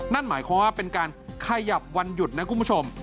นั่นหมายความว่าเป็นการขยับวันหยุดนะคุณผู้ชม